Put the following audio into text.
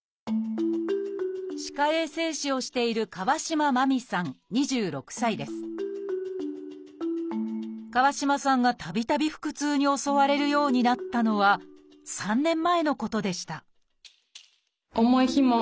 歯科衛生士をしている川島さんがたびたび腹痛に襲われるようになったのは３年前のことでした